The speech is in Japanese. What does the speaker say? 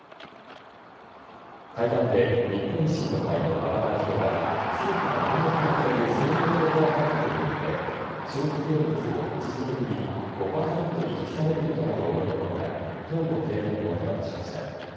会談で日本維新の会の馬場代表は政府が今月まとめる総合経済対策に向けて消費税率を一時的に５％に引き下げることなどを盛り込んだ党の提言を手渡しました。